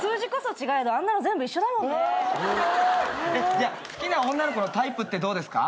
じゃあ好きな女の子のタイプってどうですか？